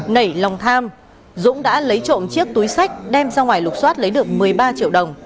nảy lòng tham dũng đã lấy trộm chiếc túi sách đem ra ngoài lục xoát lấy được một mươi ba triệu đồng